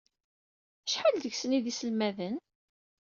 Acḥal seg-sen ay d iselmaden?